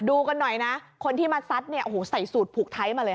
ดูกันหน่อยนะคนที่มาซัดเนี่ยโอ้โหใส่สูตรผูกไทยมาเลยค่ะ